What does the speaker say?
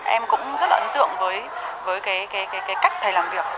em cũng rất là ấn tượng với cái cách thầy làm việc